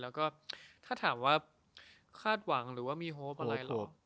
แล้วก็ถ้าถามว่าคาดหวังหรือว่ามีโฮปอะไรหรอก